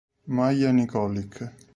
Maja Nikolić